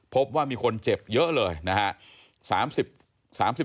พบว่ามีคนเจ็บเยอะเลยนะครับ